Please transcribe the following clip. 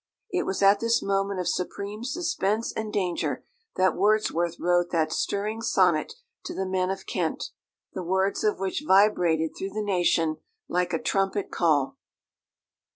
It was at this moment of supreme suspense and danger that Wordsworth wrote that stirring sonnet to the men of Kent, the words of which vibrated through the nation like a trumpet call.